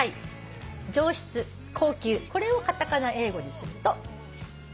これをカタカナ英語にすると。